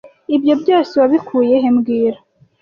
Ibyo byose wabikuye he mbwira